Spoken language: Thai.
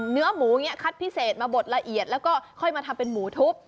เนื้อหมูอย่างนี้คัดพิเศษมาบดละเอียดแล้วก็ค่อยมาทำเป็นหมูทุบ